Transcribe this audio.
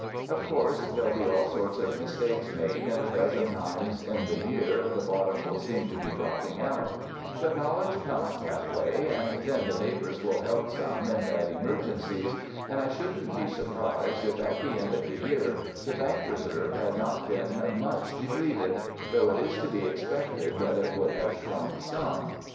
Of course, there'll be all sorts of mistakes made and a dozen times in the year the bottom will seem to be dropping out; but knowledge comes that way, and then the neighbors will help some in bad emer gencies; and I shouldn't be surprised if at the end of a year the bank reserve had not been much de pleted, though it is to be expected that it would have shrunk some.